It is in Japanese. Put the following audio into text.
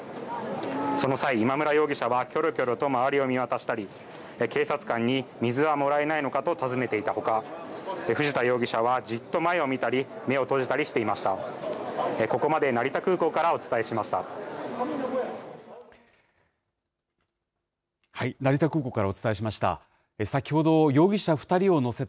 その際、今村容疑者はきょろきょろと周りを見渡したり、警察官に、水はもらえないのかと尋ねていたほか、藤田容疑者はじっと前を見たり、目を閉じたりしていました。